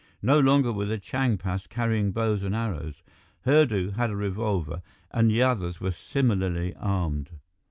No longer were the Changpas carrying bows and arrows. Hurdu had a revolver, and the others were similarly armed.